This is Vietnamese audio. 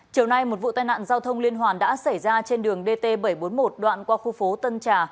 chiều nay một vụ tai nạn giao thông liên hoàn đã xảy ra trên đường dt bảy trăm bốn mươi một đoạn qua khu phố tân trà